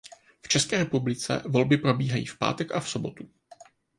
V České republice volby probíhají v pátek a v sobotu.